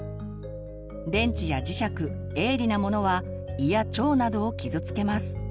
電池や磁石鋭利なものは胃や腸などを傷つけます。